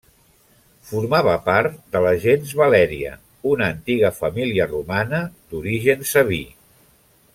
Formava part de la gens Valèria, una antiga família romana d'origen sabí.